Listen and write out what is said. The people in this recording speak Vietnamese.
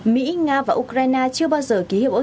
mỹ nga và ukraine chưa bao giờ ký